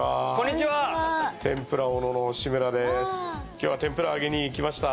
今日は天ぷら揚げに来ました。